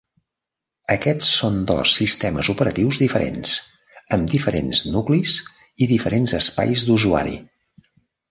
Aquests són dos sistemes operatius diferents amb diferents nuclis i diferents espais d'usuari.